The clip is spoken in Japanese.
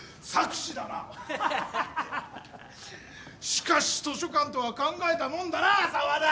しかし図書館とは考えたもんだな沢田！